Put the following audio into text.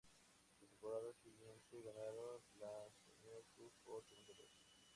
La temporada siguiente ganaron la "Senior Cup" por segunda vez.